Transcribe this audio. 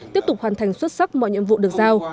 tiếp tục hoàn thành xuất sắc mọi nhiệm vụ được giao